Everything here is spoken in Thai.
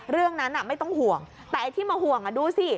เรื่องนั้นไม่ต้องห่วงแต่ไอ้ที่มาห่วงดูสิ